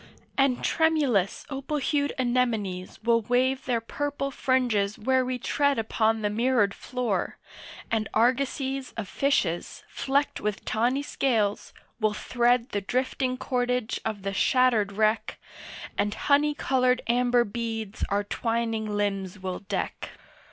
And tremulous opal hued anemones Will wave their purple fringes where we tread Upon the mirrored floor, and argosies Of fishes flecked with tawny scales will thread The drifting cordage of the shattered wreck, And honey coloured amber beads our twining limbs will deck.